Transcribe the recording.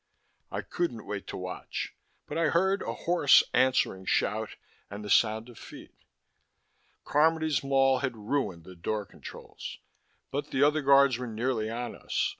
I couldn't wait to watch, but I heard a hoarse, answering shout, and the sound of feet. Carmody's maul had ruined the door controls. But the other guards were nearly on us.